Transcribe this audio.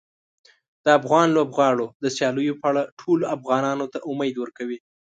د افغان لوبغاړو د سیالیو په اړه ټولو افغانانو ته امید ورکوي.